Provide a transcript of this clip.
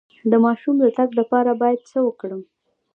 د ماشوم د تګ لپاره باید څه وکړم؟